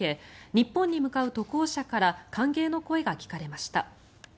日本に向かう渡航者から歓迎の声が聞かれました。